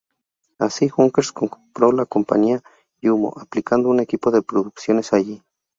Así Junkers compró la compañía Jumo, aplicando un equipo de producciones allí.